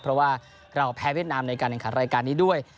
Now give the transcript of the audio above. เพราะว่าเราแพ้เวียดนามในการแข่งขันรายการนี้ด้วย